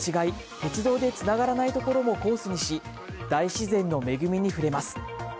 鉄道でつながらないところもコースにし大自然の恵みに触れます。